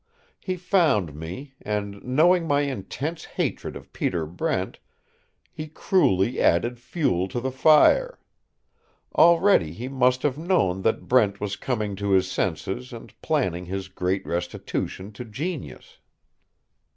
He found me and, knowing my intense hatred of Peter Brent, he cruelly added fuel to the fire. Already he must have known that Brent was coming to his senses and planning his great restitution to genius.